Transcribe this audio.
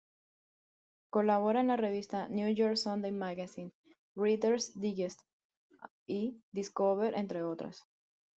Colabora en las revistas "New York Sunday Magazine", "Reader´s Digest" y "Discover", entre otras.